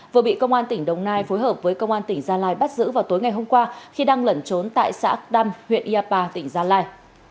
vừa bị công an tỉnh đồng nai phối hợp với công an tỉnh gia lai bắt giữ vào tối ngày hôm qua khi đang lẩn trốn tại xã đăng huyện iapa tỉnh gia lai